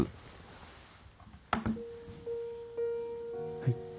はい。